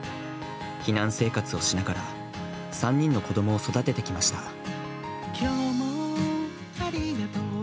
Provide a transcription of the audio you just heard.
避難生活をしながら３人の子供を育ててきました。